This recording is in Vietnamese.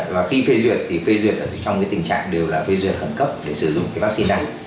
và khi phê duyệt thì phê duyệt trong tình trạng đều là phê duyệt khẩn cấp để sử dụng cái vaccine này